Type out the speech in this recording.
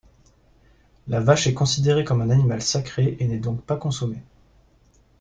La vache est considérée comme un animal sacré et n'est donc pas consommée.